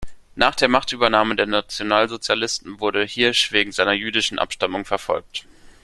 Nach der Machtübernahme der Nationalsozialisten wurde Hirsch wegen seiner jüdischen Abstammung verfolgt.